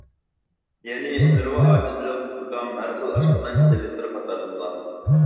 يەنى نېرۋا ئاجىزلىق، زۇكام، ھەر خىل ئاشقازان كېسەللىكلىرى قاتارلىقلار.